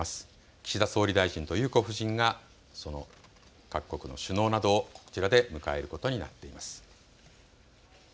岸田総理大臣と裕子夫人がその各国の首脳などこちらで迎えることになっています。